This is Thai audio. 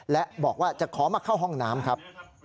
และบอกว่าจะขอมาเข้าห้องน้ำครับ